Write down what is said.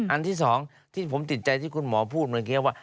อันที่สองที่ผมติดใจที่คุณหมอพูดเมื่อกี้ว่า